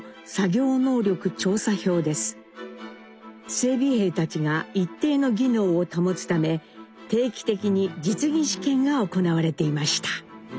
整備兵たちが一定の技能を保つため定期的に実技試験が行われていました。